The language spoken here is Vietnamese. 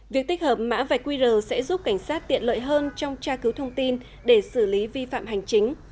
việc tích hợp mã vạch qr sẽ giúp cảnh sát tiện lợi hơn trong tra cứu thông tin để xử lý vi phạm hành chính